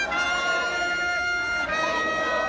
เตรียมงาน